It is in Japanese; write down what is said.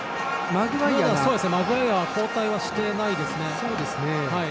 マグワイアは交代はしていないですね。